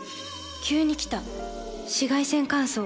急に来た紫外線乾燥。